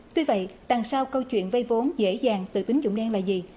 tuy vậy đằng sau câu chuyện vay vốn dễ dàng từ tính dụng đen là gì